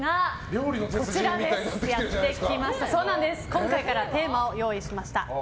今回からテーマを用意しました。